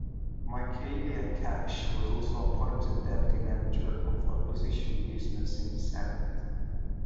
Michaelia Cash was also appointed Deputy Manager of Opposition Business in the Senate.